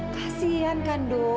kasian kan do